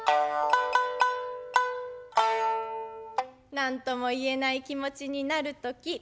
何とも言えない気持ちになる時。